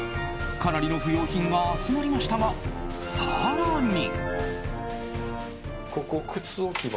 かなりの不要品が集まりましたが、更に。